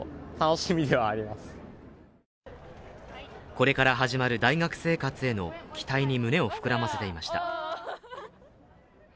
これから始まる大学生活への期待に胸を膨らませていました。